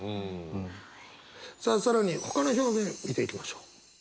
さあ更にほかの表現見ていきましょう。